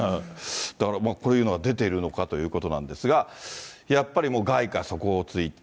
だからこういうのが出てるのかということなんですが、やっぱりもう外貨底をついた。